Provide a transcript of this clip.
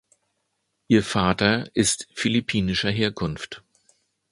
Ihr Vater ist philippinischer Herkunft.